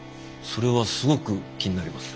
それはすごく気になります。